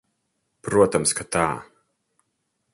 Protams, ka tā.